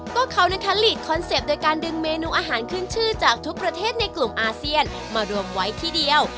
ก็เขานะคะหลีดคอนเซ็ปต์โดยการดึงเมนูอาหารขึ้นชื่อจากทุกประเทศในกลุ่มอาเซียนมารวมไว้ที่เดียว